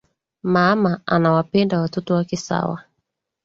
Mama anawapenda watoto wake sawa